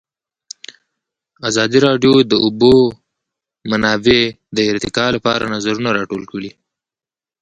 ازادي راډیو د د اوبو منابع د ارتقا لپاره نظرونه راټول کړي.